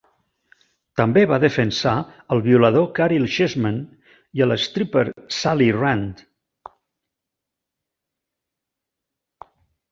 També va defensar el violador Caryl Chessman i la stripper Sally Rand.